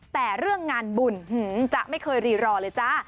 แต่เรื่องงานบุญจ๊ะไม่เคยรีรอเลยจ้า